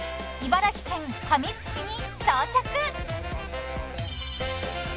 ［茨城県神栖市に到着！］